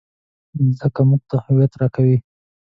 مځکه موږ ته هویت راکوي.